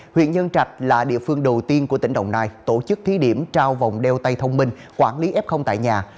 huyện nhân trạch là địa phương đầu tiên của tỉnh đồng nai tổ chức thí điểm trao vòng đeo tay thông minh quản lý f tại nhà